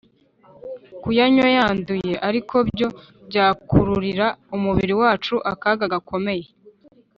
kuyanywa yanduye ariko byo byakururira umubiri wacu akaga gakomeye.